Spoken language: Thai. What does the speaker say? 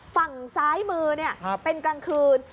ฝั่งซ้ายมือเป็นกลางคืน